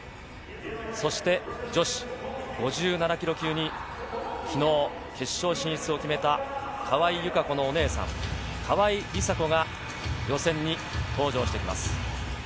そして女子、５７ｋｇ級に昨日決勝進出を決めた川井友香子のお姉さん、川井梨紗子が予選に登場してきます。